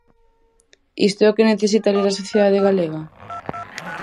Isto é o que necesita ler a sociedade galega?